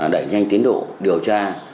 đẩy nhanh tiến độ điều tra